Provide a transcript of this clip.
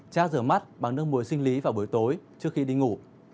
cha rửa mắt bằng nước muối sinh lý vào buổi tối trước khi đi ngủ